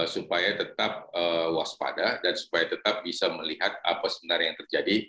supaya tetap waspada dan supaya tetap bisa melihat apa sebenarnya yang terjadi